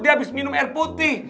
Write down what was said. dia habis minum air putih